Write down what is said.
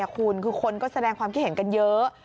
คุณคือคนก็แสดงความคิดเห็นกันเยอะ